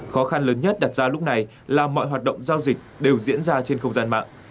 khó khăn lớn nhất đặt ra lúc này là mọi hoạt động giao dịch đều diễn ra trên không gian mạng